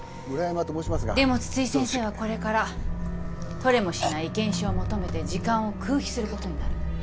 でも津々井先生はこれから取れもしない意見書を求めて時間を空費することになる。